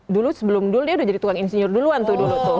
dulu sebelum dulu dia udah jadi tuan insinyur duluan tuh dulu tuh